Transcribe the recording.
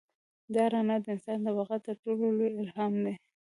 دا رڼا د انسان د بقا تر ټولو لوی الهام دی.